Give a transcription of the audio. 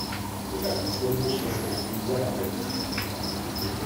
Je tak významnou složkou chůze a běhu člověka.